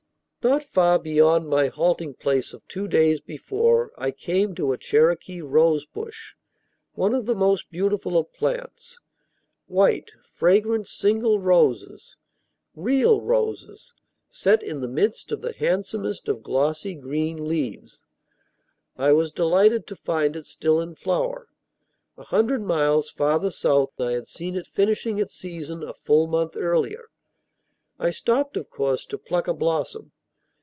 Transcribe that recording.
Not far beyond my halting place of two days before I came to a Cherokee rosebush, one of the most beautiful of plants, white, fragrant, single roses (real roses) set in the midst of the handsomest of glossy green leaves. I was delighted to find it still in flower. A hundred miles farther south I had seen it finishing its season a full month earlier. I stopped, of course, to pluck a blossom.